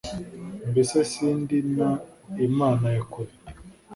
mbese si ndi n imana ya kure